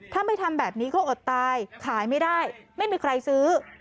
ถ้าไม่ทำแบบนี้ก็อดตายขายไม่ได้ไม่มีใครซื้อ